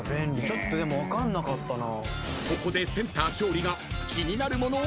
ちょっとでも分かんなかったな。